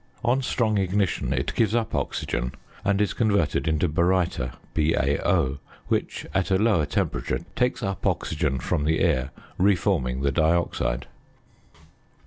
On strong ignition it gives up oxygen, and is converted into baryta (BaO), which, at a lower temperature, takes up oxygen from the air, re forming the dioxide.